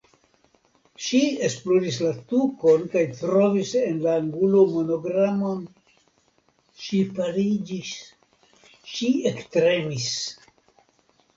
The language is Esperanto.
Ŝi esploris la tukon kaj trovis en la angulo monogramon; ŝi paliĝis, ŝi ektremis.